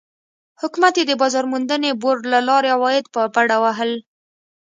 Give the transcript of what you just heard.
حکومت یې د بازار موندنې بورډ له لارې عواید په بډه وهل.